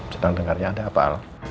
sedang dengarnya ada apa